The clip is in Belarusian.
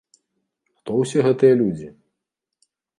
Хто ўсе гэтыя людзі?